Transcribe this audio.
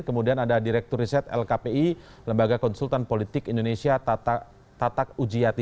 kemudian ada direktur riset lkpi lembaga konsultan politik indonesia tatak ujiati